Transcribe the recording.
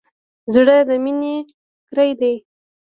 زړه د مینې ټیکری دی.